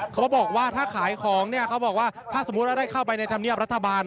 เขาบอกว่าถ้าขายของเนี่ยเขาบอกว่าถ้าสมมุติว่าได้เข้าไปในธรรมเนียบรัฐบาล